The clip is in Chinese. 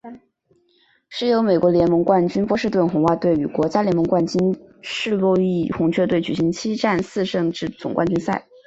是由美国联盟冠军波士顿红袜队与国家联盟冠军圣路易红雀队举行七战四胜制总冠军赛。